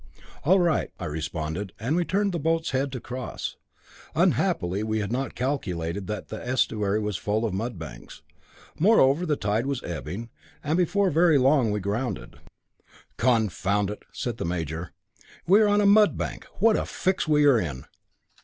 "All right," I responded, and we turned the boat's head to cross. Unhappily, we had not calculated that the estuary was full of mudbanks. Moreover, the tide was ebbing, and before very long we grounded. "Confound it!" said the major, "we are on a mudbank. What a fix we are in."